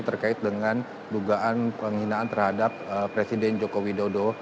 terkait dengan dugaan penghinaan terhadap presiden joko widodo